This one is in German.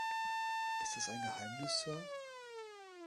Ist das ein Geheimnis, Sir?